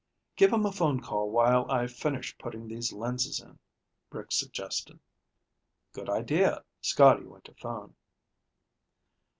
"Give him a phone call while I finish putting these lenses in," Rick suggested. "Good idea." Scotty went to phone.